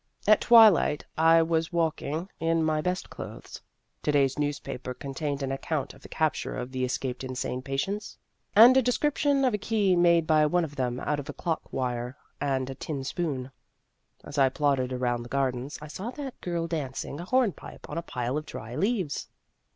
At twilight I was out walking in my best clothes. (To day's newspaper con tained an account of the capture of the escaped insane patients, and a description of a key made by one of them out of clock wire and a tin spoon.) As I plodded around the gardens, I saw that girl dan cing a horn pipe on a pile of dry leaves.